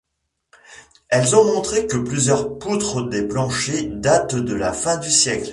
Elles ont montré que plusieurs poutres des planchers datent de la fin du siècle.